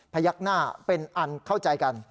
ยักหน้าเป็นอันเข้าใจกัน